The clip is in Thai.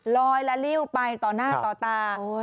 ละลิ้วไปต่อหน้าต่อตา